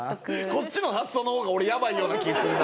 こっちの発想の方が俺やばいような気するな。